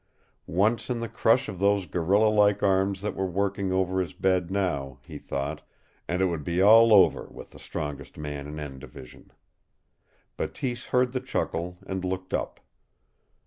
Once in the crush of those gorilla like arms that were working over his bed now, he thought, and it would be all over with the strongest man in "N" Division. Bateese heard the chuckle and looked up.